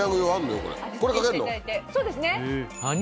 そうですね。